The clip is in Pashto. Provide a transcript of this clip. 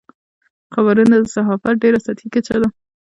خبرونه د صحافت ډېره سطحي کچه ده.